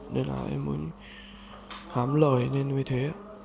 nên là em mới hám lời nên như thế